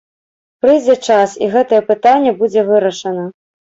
Прыйдзе час, і гэтае пытанне будзе вырашана.